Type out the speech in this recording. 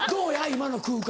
今の空間。